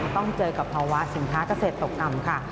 ต้องเจอกับภาวะสินค้าเกษตรตกต่ำค่ะ